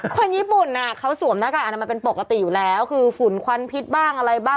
คนญี่ปุ่นอ่ะเขาสวมหน้ากากอนามัยเป็นปกติอยู่แล้วคือฝุ่นควันพิษบ้างอะไรบ้าง